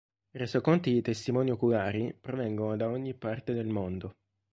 Resoconti di testimoni oculari provengono da ogni parte del mondo.